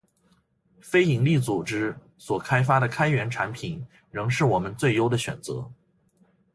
非营利组织所开发的开源产品，仍是我们最优的选择